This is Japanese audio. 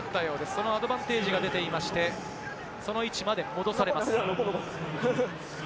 そのアドバンテージが出ていまして、その位置まで戻されます。